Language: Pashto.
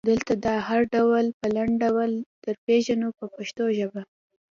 دلته دا هر ډول په لنډ ډول درپېژنو په پښتو ژبه.